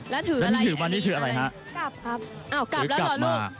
ก็เพื่อนเอากลางยาวจะเทียดกลับมา